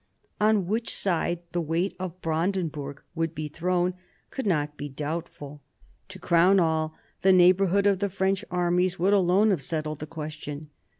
On which side the weight of Brandenburg would be thrown could not be doubtful To crown all, the neighbourhood of the French armies would alone have settled the question.